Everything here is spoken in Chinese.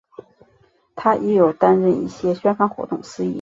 她亦有担任一些宣传活动司仪。